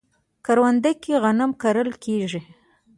کرونده کې غنم کرل کیږي